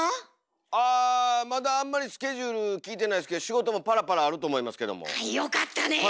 あまだあんまりスケジュール聞いてないですけど仕事もパラパラあると思いますけども。よかったねえ！